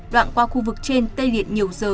đoạn qua khu vực trên tê liệt nhiều giờ